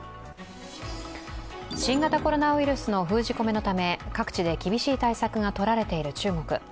新型コロナウイルスの封じ込めのため、各地で厳しい対策が取られている中国。